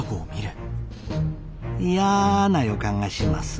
いやな予感がします。